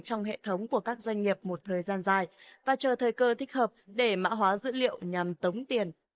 trong hệ thống của các doanh nghiệp một thời gian dài và chờ thời cơ thích hợp để mã hóa dữ liệu nhằm tống tiền